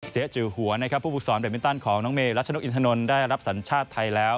จือหัวนะครับผู้ฝึกสอนแบบมินตันของน้องเมรัชนกอินทนนท์ได้รับสัญชาติไทยแล้ว